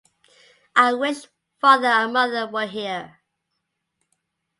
I wish father and mother were here.